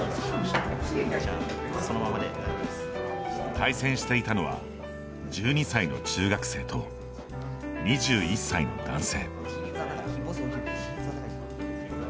対戦していたのは１２歳の中学生と、２１歳の男性。